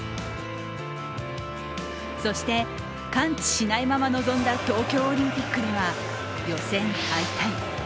そして、完治しないまま臨んだ東京オリンピックでは予選敗退。